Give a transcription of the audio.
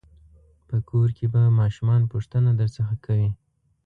په کور کې به ماشومان پوښتنه درڅخه کوي.